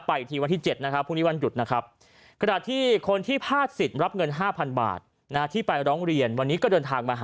ไปอีกทีวันที่๗ปฤษภาคม